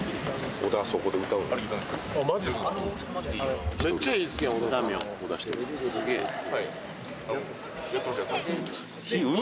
小田、そこで歌う。